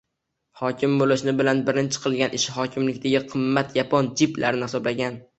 Hokim bo‘lishi bilan birinchi qilgan ishi hokimlikdagi qimmat yapon «jip»lari hisoblangan